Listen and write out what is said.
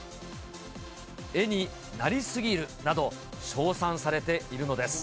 絵になりすぎるなど、称賛されているのです。